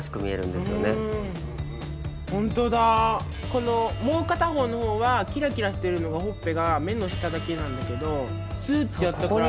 このもう片方の方はキラキラしてるのがほっぺが目の下だけなんだけどスッてやったから。